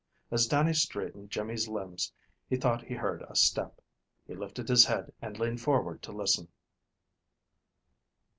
As Dannie straightened Jimmy's limbs he thought he heard a step. He lifted his head and leaned forward to listen.